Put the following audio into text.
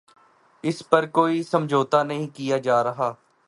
اس پر کوئی سمجھوتہ نہیں کیا جارہا